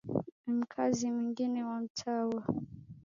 Mkazi mwengine wa mtaa huo